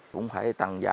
cũng phải tăng giá